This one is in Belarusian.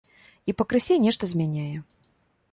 І пакрысе нешта змяняе.